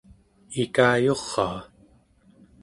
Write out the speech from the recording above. ikayuraa